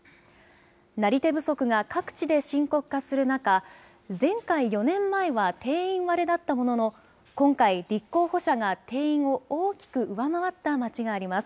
なり手不足が各地で深刻化する中、前回４年前は定員割れだったものの今回、立候補者が定員を大きく上回った町があります。